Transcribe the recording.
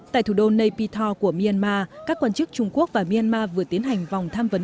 tại thủ đô napito của myanmar các quan chức trung quốc và myanmar vừa tiến hành vòng tham vấn